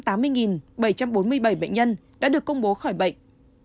trong đó có tám trăm tám mươi bảy trăm bốn mươi bảy bệnh nhân đã được công bố khỏi bệnh